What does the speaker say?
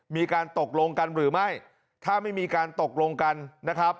มีการตกลงกันหรือไม่ถ้าไม่มีการตกลงกันนะครับ